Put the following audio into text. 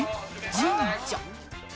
神社？